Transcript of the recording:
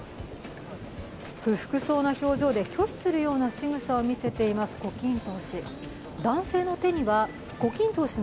不服そうな表情で拒否するようなしぐさを見せています胡錦濤氏。